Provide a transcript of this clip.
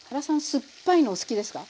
酸っぱいの好きです。